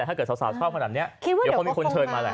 ถ้าเกิดสาวชอบขนาดนี้เดี๋ยวคงมีคนเชิญมาแหละ